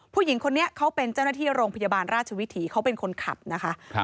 ผู้หญิงคนนี้เขาเป็นเจ้าหน้าที่โรงพยาบาลราชวิถีเขาเป็นคนขับนะคะ